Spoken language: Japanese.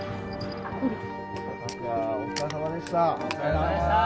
お疲れさまでした。